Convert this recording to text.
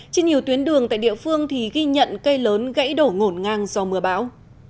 trên nhiều tuyến đường tại địa phương thì ghi nhận cây lớn gãy đổ ngổn ngang do mưa bão